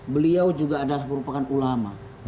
beliau juga adalah merupakan ulama